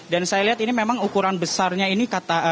dan saya lihat ini memang ukuran besarnya ini